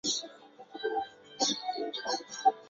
由于本航线曾经是长洲唯一能直接往返市区的航线。